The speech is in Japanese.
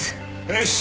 よし。